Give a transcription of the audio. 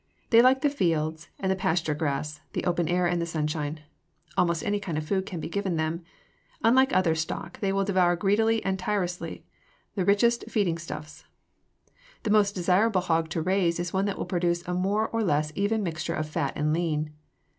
They like the fields and the pasture grass, the open air and the sunshine. Almost any kind of food can be given them. Unlike other stock, they will devour greedily and tirelessly the richest feeding stuffs. The most desirable hog to raise is one that will produce a more or less even mixture of fat and lean.